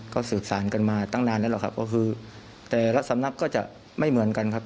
ก็สืบสารกันมาตั้งนานแล้วหรอกครับก็คือแต่ละสำนักก็จะไม่เหมือนกันครับ